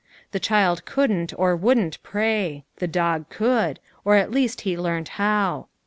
The child couldn't or wouldn't pray: the dog could, or at least he learnt how.